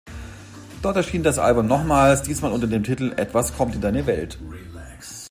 Dort erschien das Album nochmals, diesmal unter dem Titel "Etwas kommt in deine Welt".